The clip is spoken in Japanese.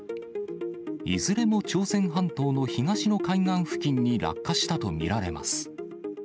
いずれも朝鮮半島の東の海岸付近に落下したと見られます。